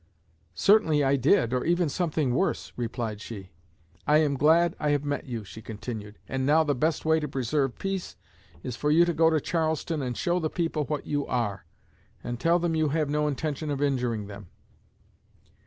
'Certainly I did, or even something worse,' replied she. 'I am glad I have met you,' she continued, 'and now the best way to preserve peace is for you to go to Charleston and show the people what you are, and tell them you have no intention of injuring them.'